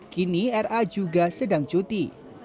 kini ra juga sedang cuti